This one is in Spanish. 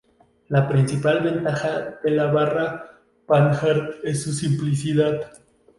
Las principal ventaja de la barra Panhard es su simplicidad.